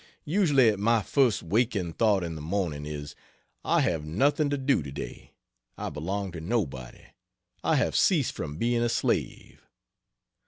Usually my first waking thought in the morning is, "I have nothing to do to day, I belong to nobody, I have ceased from being a slave."